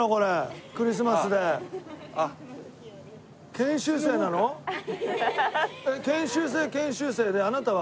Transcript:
研修生研修生であなたは？